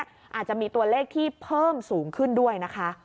อาจจะมีตัวเลขที่เพิ่มสูงขึ้นด้วยนะคะ